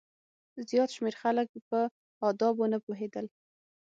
زیات شمېر خلک په آدابو نه پوهېدل.